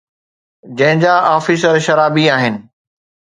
جنهن جا آفيسر شرابي آهن